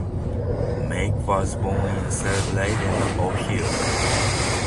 Mack was born in Cleveland, Ohio.